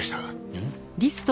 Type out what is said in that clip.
うん？